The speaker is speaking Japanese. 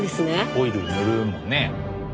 オイル塗るもんね。